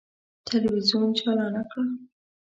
تلویزون چالانه کړه!